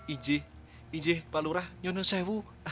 inji inji pak lurah nyonsewu